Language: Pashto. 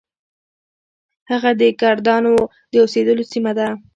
هغه د کردانو د اوسیدلو سیمه ده.